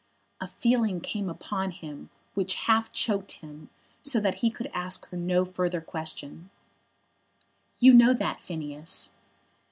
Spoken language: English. A feeling came upon him which half choked him, so that he could ask her no further question. "You know that, Phineas."